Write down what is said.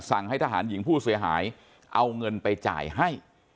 ให้ทหารหญิงผู้เสียหายเอาเงินไปจ่ายให้